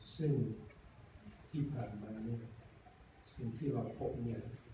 ซึ่งที่ผ่านมาเนี่ยสิ่งที่เราพบเนี่ย